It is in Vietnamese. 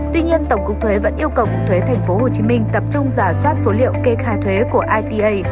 tuy nhiên tổng cục thuế vẫn yêu cầu cục thuế tp hcm tập trung giả soát số liệu kê khai thuế của ita